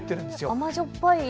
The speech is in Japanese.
甘じょっぱい。